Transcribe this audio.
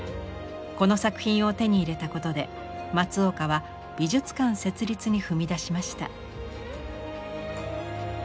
この作品を手に入れたことで松岡は美術館設立に踏み出しました。